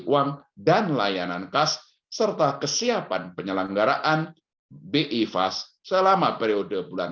uang dan layanan kas serta kesiapan penyelenggaraan bi fas selama periode bulan